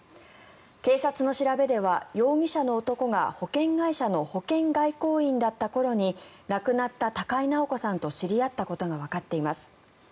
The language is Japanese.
警察の調べでは容疑者の男が保険会社の保険外交員だった頃に亡くなった高井直子さんと知り合ったことがわかっています。